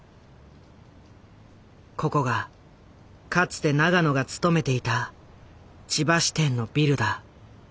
ここがかつて永野が勤めていた千葉支店のビルだ。